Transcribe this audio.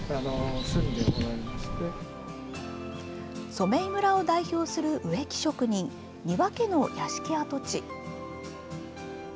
染井村を代表する植木職人、丹羽家の屋敷跡地。